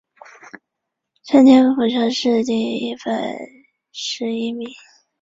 顺天府乡试第一百十一名。